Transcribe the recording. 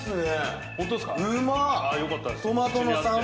よかったです。